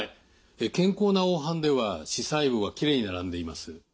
健康な黄斑では視細胞がきれいに並んでいます。